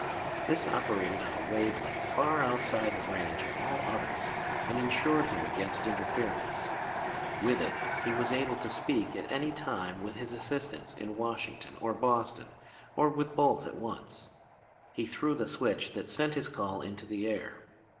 This operated on a wave length far outside the range of all others and insured him against interference. With it he was able to speak at any time with his assistants in Washington or Boston or with both at once. He threw the switch that sent his call into the air.